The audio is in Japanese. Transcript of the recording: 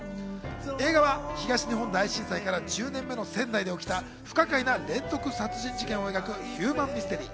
映画は東日本大震災から１０年目の仙台で起きた不可解な連続殺人事件を描くヒューマンミステリー。